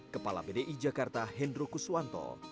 kepala bdi jakarta hendro kuswanto